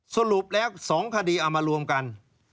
สรุปแล้ว๒คดีเอามารวมกัน